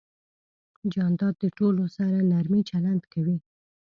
جانداد د ټولو سره نرمي چلند کوي.